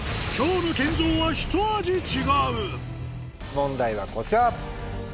問題はこちら。